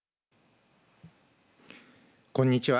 こんにちは。